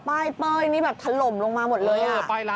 ป้ายไต้นี่แบบถล่มลงมาหมดเลยอ่ะ